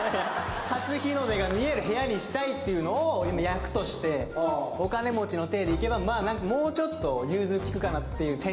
初日の出が見える部屋にしたいっていうのを役としてお金持ちの体でいけばもうちょっと融通きくかなって。